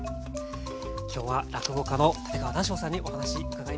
今日は落語家の立川談笑さんにお話伺いました。